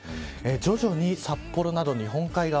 徐々に札幌など日本海側